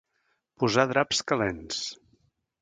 Posar draps calents.